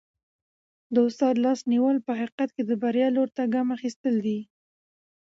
د استاد لاس نیول په حقیقت کي د بریا لوري ته ګام اخیستل دي.